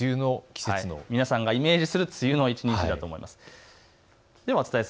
皆さんがイメージする梅雨の一日だと思います。